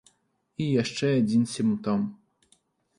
І яшчэ адзін сімптом.